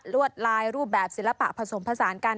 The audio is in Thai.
วดลายรูปแบบศิลปะผสมผสานกัน